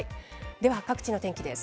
では、各地の天気です。